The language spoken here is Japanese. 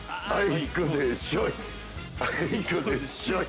はい。